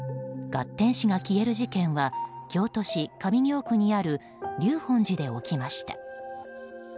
月天子が消える事件は京都市上京区にある立本寺で起きました。